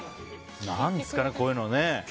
何ですかね、こういうの。